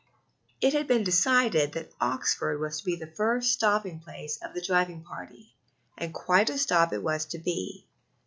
It had been decided that Oxford was to be the first stopping place of the driving party, and quite a stop it was to be.